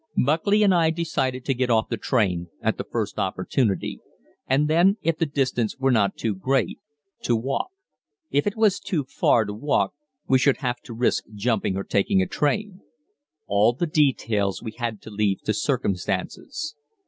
Buckley and I decided to get off the train at the first opportunity, and then, if the distance were not too great, to walk. If it was too far to walk, we should have to risk jumping or taking a train. All the details we had to leave to circumstances.